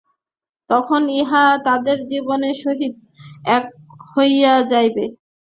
তখন ইহা আমাদের জীবনের সহিত এক হইয়া যাইবে।